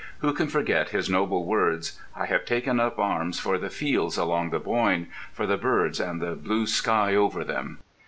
Who can forget his noble words, "I have taken up arms for the fields along the Boyne, for the birds and the blue sky over them."